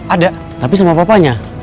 ada tapi sama papanya